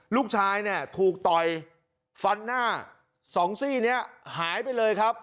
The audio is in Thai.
ลูกชายเนี่ยถูกต่อยฟันหน้าสองซี่นี้หายไปเลยครับ